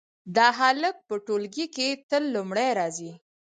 دا هلک په ټولګي کې تل لومړی راځي